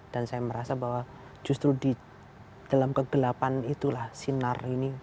dan saya merasa bahwa justru di dalam kegelapan itulah sinar ini